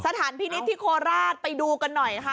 สถานพินิษฐ์ที่โคราชไปดูกันหน่อยค่ะ